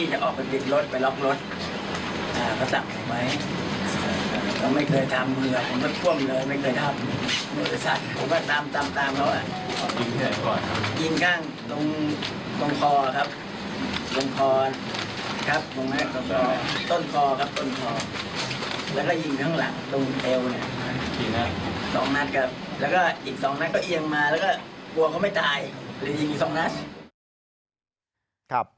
หรือเอียงอีกสองนัด